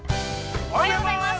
◆おはようございます。